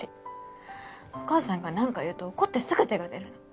お母さんがなんか言うと怒ってすぐ手が出るの。